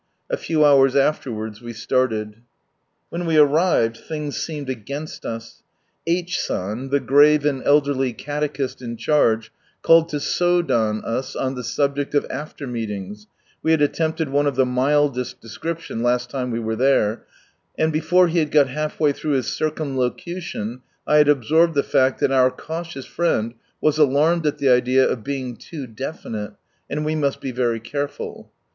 A few hours afterwards we started. When we arrived, things seemed against us. H. San, the grave and elderly catechist in charge, called to " Sodan " us on the subject of after meetings (we had attempted one of the mildest description last lime we were there) ; and before he had got half way through his circumlocution I had absorbed the fact that our, cautious friend was alarmed at the idea of being loo definite, and we must be very careful.